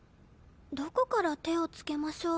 どこから手をつけましょう？